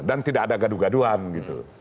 dan tidak ada gaduh gaduhan gitu